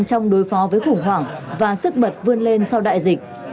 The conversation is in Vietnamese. trong đối phó với khủng hoảng và sức bật vươn lên sau đại dịch